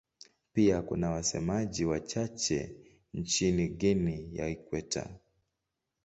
Pia kuna wasemaji wachache nchini Guinea ya Ikweta.